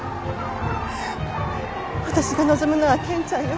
私が望むのは健ちゃんよ。